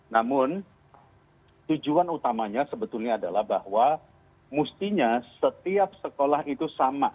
namun tujuan utamanya sebetulnya adalah bahwa mestinya setiap sekolah itu sama